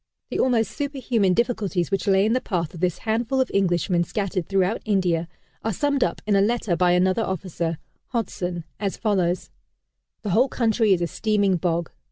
The almost superhuman difficulties which lay in the path of this handful of Englishmen scattered throughout India, are summed up in a letter by another officer, Hodson, as follows: "The whole country is a steaming bog.